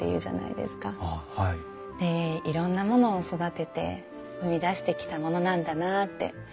でいろんなものを育てて生み出してきたものなんだなあって。